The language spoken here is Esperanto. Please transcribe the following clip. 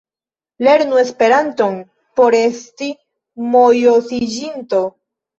Lernu Esperanton por esti mojosiĝinto!